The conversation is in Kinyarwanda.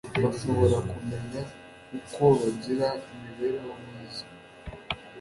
bashobora kumenya uko bagira imibereho myiza